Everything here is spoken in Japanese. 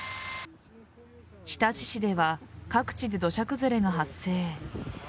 日立市では各地で土砂崩れが発生。